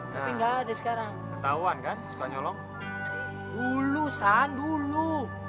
nah enggak ada sekarang ketahuan kan suka nyolong dulu sandulu